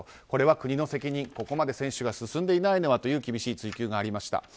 これは国の責任、ここまで接種が進んでいないのはと厳しい追及がありました。